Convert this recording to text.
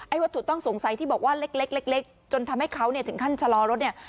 ไอ้วัตถุต้องสงสัยที่บอกว่าเล็กเล็กเล็กเล็กจนทำให้เขาเนี้ยถึงขั้นชะลอรถเนี้ย